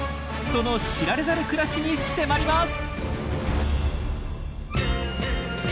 その知られざる暮らしに迫ります！